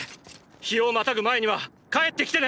日をまたぐ前には帰って来てね！